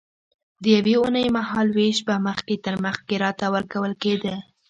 د یوې اوونۍ مهال وېش به مخکې تر مخکې راته ورکول کېده.